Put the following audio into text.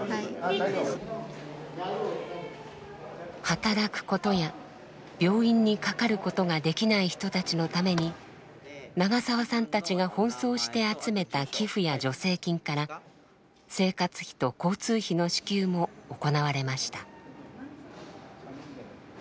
働くことや病院にかかることができない人たちのために長澤さんたちが奔走して集めた寄付や助成金から生活費と交通費の支給も行われました。